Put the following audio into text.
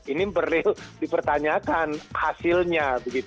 ini perlu dipertanyakan hasilnya